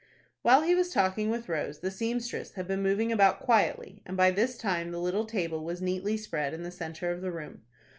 While he was talking with Rose, the seamstress had been moving about quietly, and by this time the little table was neatly spread in the centre of the room.